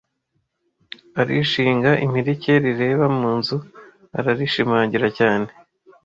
arishinga impirike rireba mu nzu; ararishimangira cyane